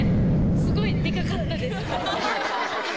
すごい、でかかったです。